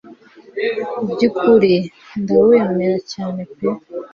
byukuri ndawemera cyane pe